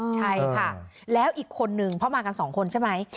ใช่ค่ะแล้วอีกคนนึงเพราะมากัน๒คนใช่ไหม